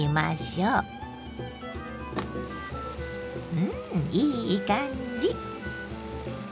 うんいい感じ。